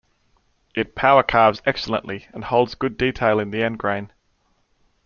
It power carves excellently and holds good detail in the end grain.